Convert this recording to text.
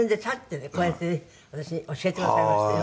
こうやって私に教えてくださいましたよ。